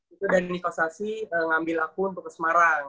itu dhani kostasi ngambil aku untuk ke semarang